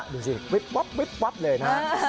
ดูสิวิบวับเลยนะครับ